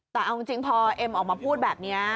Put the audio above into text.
แต่เอาจริงพอเอ็มออกมาพูดแบบนี้